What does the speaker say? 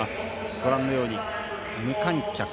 ご覧のように、無観客。